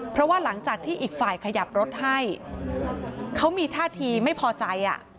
เพราะว่าหลังจากที่อีกฝ่ายขยับรถให้เขามีท่าทีไม่พอใจ